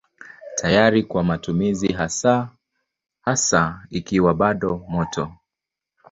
Tayari kwa matumizi hasa hasa ikiwa bado moto.